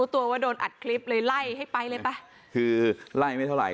ตัวว่าโดนอัดคลิปเลยไล่ให้ไปเลยไปคือไล่ไม่เท่าไห